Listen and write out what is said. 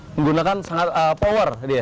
menggunakan sangat power dia